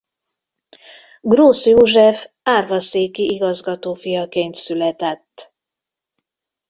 Grósz József árvaszéki igazgató fiaként született.